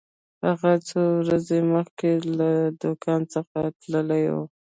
هغه څو ورځې مخکې له دکان څخه تللی و.